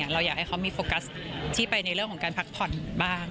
เราอยากให้เขามีโฟกัสที่ไปในเรื่องของการพักผ่อนบ้าง